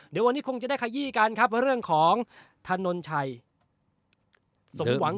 เดี๋ยววันนี้คงจะได้ขยี้กันครับว่าเรื่องของถนนชัยสมหวัง